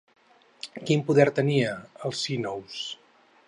Quin poder tenia, Alcínous?